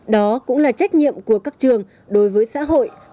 đó cũng là trách nhiệm của các trường đối với xã hội